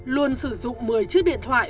luôn sử dụng một mươi chiếc điện thoại